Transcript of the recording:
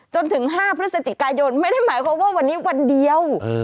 จนถึง๕พฤศจิกายนไม่ได้หมายความว่าวันนี้วันเดียว